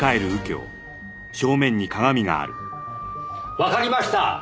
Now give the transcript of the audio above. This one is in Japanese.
わかりました！